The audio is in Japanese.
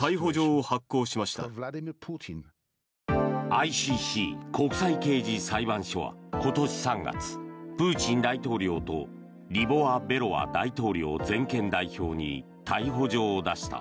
ＩＣＣ・国際刑事裁判所は今年３月プーチン大統領とリボワ・ベロワ大統領全権代表に逮捕状を出した。